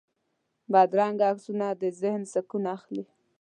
بدرنګه عکسونه د ذهن سکون اخلي